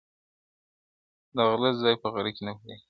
o د غله ځاى په غره کي نه پيدا کېږي.